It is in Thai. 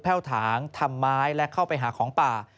วถางทำไม้และเข้าไปหาของป่า